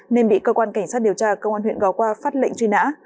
nên bị cơ quan cảnh sát điều tra công an huyện gò qua phát lệnh truy nã